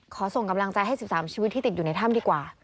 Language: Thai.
ส่งกำลังใจให้๑๓ชีวิตที่ติดอยู่ในถ้ำดีกว่า